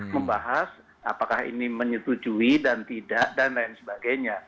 membahas apakah ini menyetujui dan tidak dan lain sebagainya